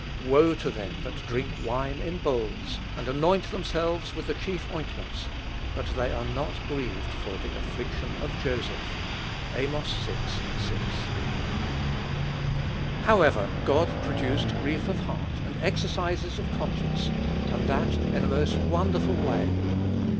"Woe to them ... that drink wine in bowls, and anoint themselves with the chief ointments; but they are not grieved for the affliction of Joseph." (Amos vi. 6.) However, God produced grief of heart, and exercises of conscience, and that in a most wonderful way.